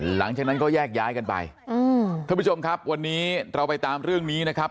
หลังจากนั้นก็แยกย้ายกันไปอืมท่านผู้ชมครับวันนี้เราไปตามเรื่องนี้นะครับ